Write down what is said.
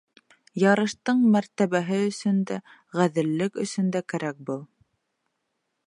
Ярыштың мәртәбәһе өсөн дә, ғәҙеллек өсөн дә кәрәк был.